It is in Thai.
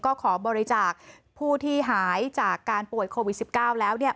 ก็ขอบริจาคผู้ที่หายจากการป่วยโควิดสิบเก้าแล้วเนี่ย